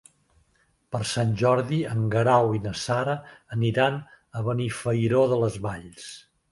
Per Sant Jordi en Guerau i na Sara aniran a Benifairó de les Valls.